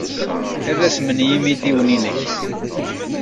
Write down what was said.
Ad asmen yimidiwen-nnek.